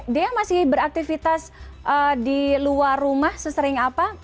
dea masih beraktivitas di luar rumah sesering apa